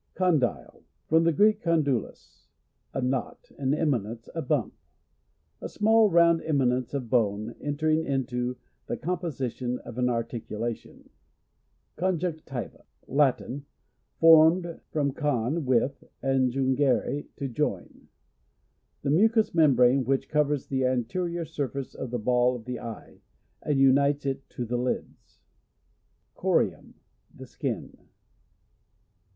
Condyle. — From the Greek kondulos, a knot, an eminence, a bump. A small round eminence of bone en tering into the composition of an articulation. Conjunctiva. — Latin. Formed from con, with, and jungere, to join. The mucous membrane which covers the anterior surface of the ball of the eye, and unites it to the lids. Corium. — The skin.